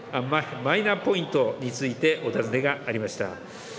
マイナポイントについてお尋ねがありました。